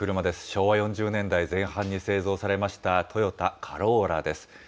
昭和４０年代前半に製造されましたトヨタカローラです。